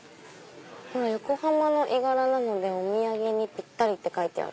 「横浜の絵柄なのでお土産にピッタリ」って書いてる。